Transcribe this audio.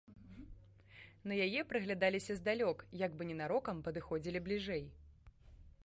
На яе прыглядаліся здалёк, як бы ненарокам падыходзілі бліжэй.